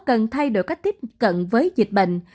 cần thay đổi cách tiếp cận với dịch bệnh